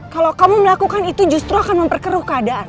kalau kamu melakukan itu justru akan memperkeruh keadaan